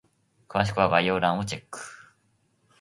詳しくは概要欄をチェック！